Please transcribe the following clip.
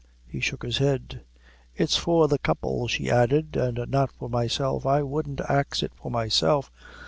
He shook his head. "It's for the couple," she added, "an' not for myself. I wouldn't ax it for myself.